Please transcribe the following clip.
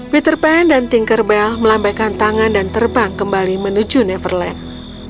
peter pan dan thinker bell melambaikan tangan dan terbang kembali menuju neverland